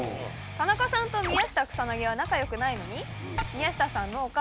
「田中さんと宮下草薙は仲よくないのに宮下さんの」。